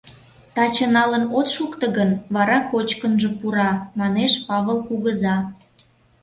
Таче налын от шукто гын, вара кочкынжо пура, — манеш Павыл кугыза.